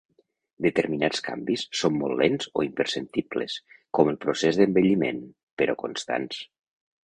Determinats canvis són molt lents o imperceptibles, com el procés d'envelliment, però constants.